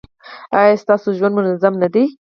ایا ستاسو ژوند منظم نه دی؟